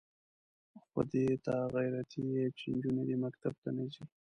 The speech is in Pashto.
خو دې ته غیرتي یې چې نجونې دې مکتب ته نه ځي.